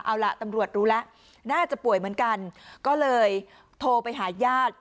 เอาล่ะตำรวจรู้แล้วน่าจะป่วยเหมือนกันก็เลยโทรไปหาญาติ